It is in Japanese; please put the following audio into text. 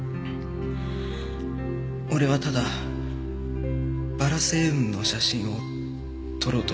俺はただバラ星雲の写真を撮ろうとしただけで。